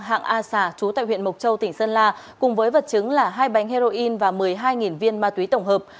hạng a sà chú tại huyện mộc châu tỉnh sơn la cùng với vật chứng là hai bánh heroin và một mươi hai viên ma túy tổng hợp